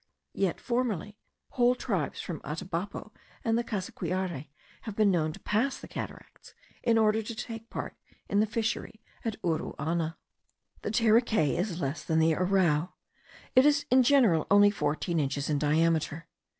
Yet, formerly, whole tribes from the Atabapo and the Cassiquiare have been known to pass the cataracts, in order to take part in the fishery at Uruana. The terekay is less than the arrau. It is in general only fourteen inches in diameter.